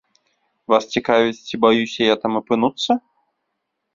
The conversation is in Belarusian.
Вас цікаваць ці баюся я там апынуцца?